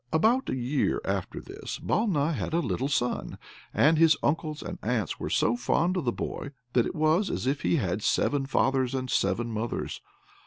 About a year after this Balna had a little son, and his uncles and aunts were so fond of the boy that it was as if he had seven fathers and seven mothers.